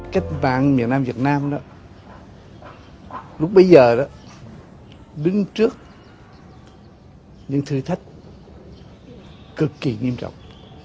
cách mạng miền nam việt nam lúc bây giờ đứng trước những thử thách cực kỳ nghiêm trọng